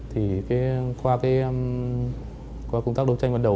thì qua công tác đấu tranh văn đầu